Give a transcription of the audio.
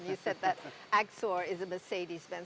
dan anda bilang axor adalah mercedes benz